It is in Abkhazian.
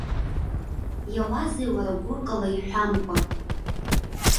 Иауазеи уара, гәыкала иҳәамкәа?